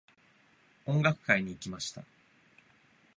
音楽会に行きました。